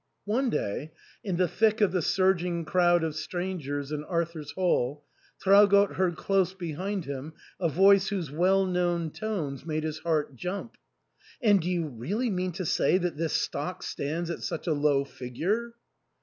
One day, in the thick of the surging crowd of stran gers in Arthur's Hall, Traugott heard close behind him a voice whose well known tones made his heart jump. " And do you really mean to say that this stock stands at such a low figure?"